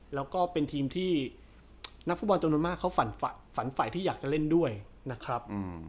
แล้วก็เป็นทีมที่นักฟุตบอลจำนวนมากเขาฝันฝ่ายที่อยากจะเล่นด้วยนะครับ